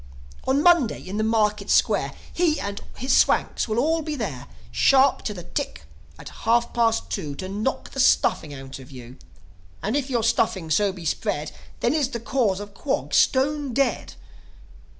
"On Monday, in the Market Square, He and his Swanks will all be there, Sharp to the tick at half past two, To knock the stuffing out of you. And if your stuffing so be spread, Then is the Cause of Quog stone dead.